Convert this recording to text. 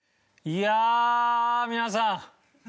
いや皆さん。